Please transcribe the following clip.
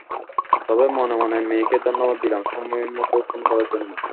তবে মনে মনে মেয়েকে ধন্যবাদ দিলাম, সময় মতো ফোন করার জন্য।